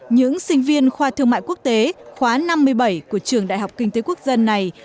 những sinh viên khoa thương mại quốc tế khóa năm mươi bảy của trường đại học kinh tế quốc dân này